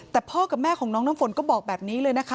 แต่พ่อกับแม่ของน้องน้ำฝนก็บอกแบบนี้เลยนะคะ